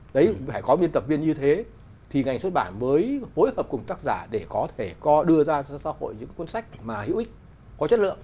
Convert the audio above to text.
đấy phải có biên tập viên như thế thì ngành xuất bản mới hối hợp cùng tác giả để có thể đưa ra cho xã hội những cuốn sách mà hữu ích có chất lượng